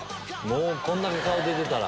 こんだけ顔出てたら。